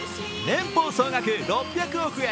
年俸総額６００億円